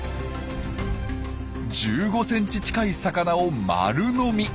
１５センチ近い魚を丸飲み。